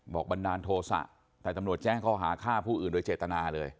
บันดาลโทษะแต่ตำรวจแจ้งข้อหาฆ่าผู้อื่นโดยเจตนาเลย